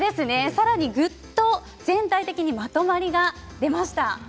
さらにグッと全体的にまとまりが出ました。